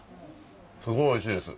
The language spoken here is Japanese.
すごいおいしいです。